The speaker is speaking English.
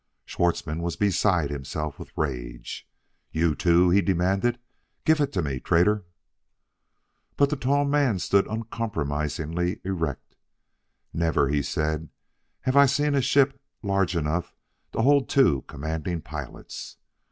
Schwartzmann was beside himself with rage. "You, too?" he demanded. "Giff it me traitor!" But the tall man stood uncompromisingly erect. "Never," he said, "have I seen a ship large enough to hold two commanding pilots.